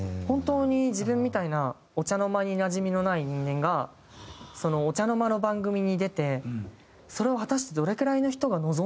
本当に自分みたいなお茶の間になじみのない人間がお茶の間の番組に出てそれを果たして。